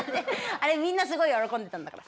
あれみんなすごい喜んでたんだから。